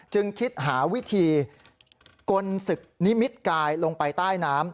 จึงคิดหาวิธีกลศึกนิมิตกายลงไปใต้น้ำ